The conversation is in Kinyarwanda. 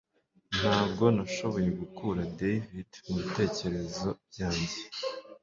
Ntabwo nashoboye gukura David mubitekerezo byanjye